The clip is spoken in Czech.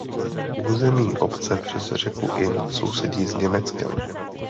Území obce přes řeku Inn sousedí s Německem.